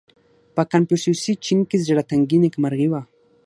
• په کنفوسیوسي چین کې زړهتنګي نېکمرغي وه.